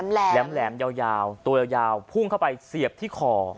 แหลมแหลมยาวยาวตัวยาวยาวพุ่งเข้าไปเสียบที่ขอ